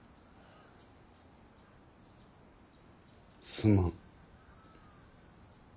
すまん。